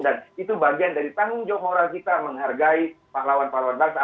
dan itu bagian dari tanggung jawab orang kita menghargai pahlawan pahlawan bangsa